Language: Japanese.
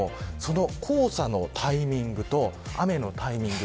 黄砂のタイミングと雨のタイミング